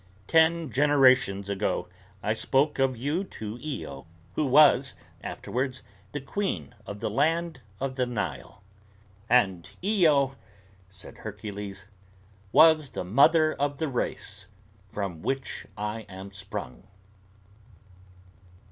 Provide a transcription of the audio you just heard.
"Ten generations ago I spoke of you to Io, who was afterwards the queen of the land of the Nile." "And Io," said Hercules, "was the mother of the race from which I am sprung."